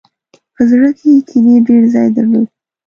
په زړه کې یې کینې ډېر ځای درلود.